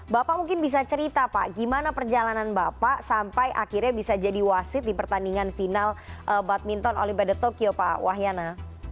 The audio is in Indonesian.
bapak mungkin bisa cerita pak gimana perjalanan bapak sampai akhirnya bisa jadi wasit di pertandingan final badminton olimpiade tokyo pak wahyana